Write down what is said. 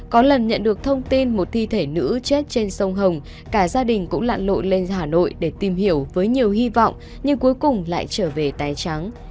có lần nhận được thông tin một thi thể nữ chết trên sông hồng cả gia đình cũng lạn lội lên hà nội để tìm hiểu với nhiều hy vọng nhưng cuối cùng lại trở về tay trắng